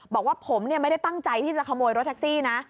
บอกว่าผมไม่ได้ตั้งใจที่จะขโมยรถแท็กซี่นะ